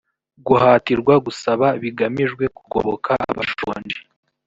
guhatirwa gusaba bigamijwe kugoboka abashonji